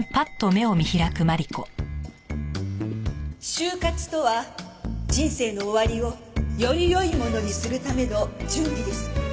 終活とは人生の終わりをより良いものにするための準備です。